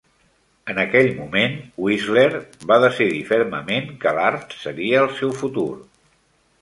En aquell moment, Whistler va decidir fermament que l'art seria el seu futur.